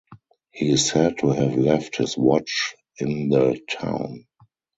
He is said to have left his watch in the town.